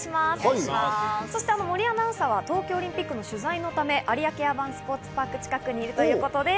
そして森アナウンサーは東京オリンピックの取材のため、有明アーバンスポーツパークの近くにいるということです。